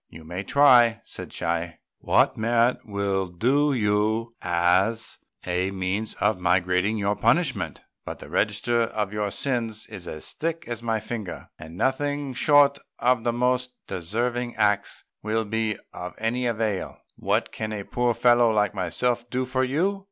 "You may try," said Chi, "what merit will do for you as a means of mitigating your punishment; but the register of your sins is as thick as my finger, and nothing short of the most deserving acts will be of any avail. What can a poor fellow like myself do for you?